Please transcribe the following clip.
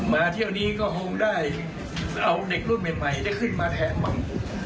เที่ยวนี้ก็คงได้เอาเด็กรุ่นใหม่ได้ขึ้นมาแทนมั่ง